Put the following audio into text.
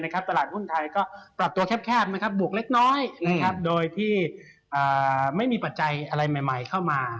ตลาดหุ้นไทยก็ปรับตัวแคบบวกเล็กน้อยโดยที่ไม่มีปัจจัยอะไรใหม่เข้ามา